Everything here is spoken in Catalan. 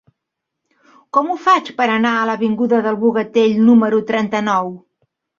Com ho faig per anar a l'avinguda del Bogatell número trenta-nou?